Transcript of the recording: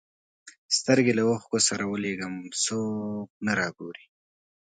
سترګي له اوښکو سره ولېږم څوک نه را ګوري